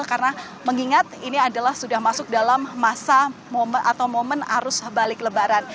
karena mengingat ini adalah sudah masuk dalam masa atau momen arus balik lebaran